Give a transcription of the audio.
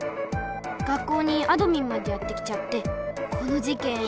学校にあどミンまでやって来ちゃってこの事件